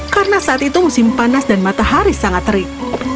karena saat itu musim panas dan matahari sangat terik